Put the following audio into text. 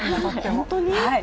本当に？